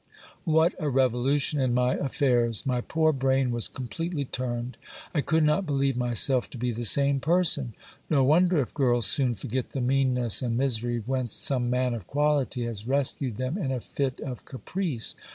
What a revolution in my affairs ! My poor brain was completely turned. I could not believe myself to be the same person. No wonder if girls soon forget the meanness and misery whence some man of quality has rescued them in a fit of caprice.